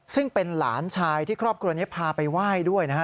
ซึ่งเป็นหลานชายที่ครอบครัวนี้พาไปไหว้ด้วยนะฮะ